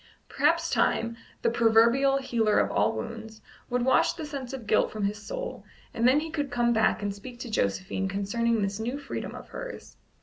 Perhaps Time, the proverbial healer of all wounds, would wash the sense of guilt from his soul, and then he could come back and speak to Josephine concerning this new freedom of hers.